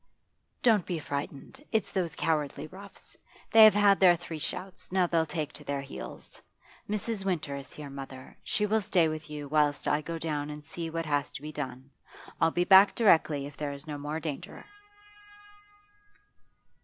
'Don't be frightened; it's those cowardly roughs. They have had their three shots, now they'll take to their heels. Mrs. Winter is here, mother: she will stay with you whilst I go down and see what has to be done. I'll be back directly if there is no more danger.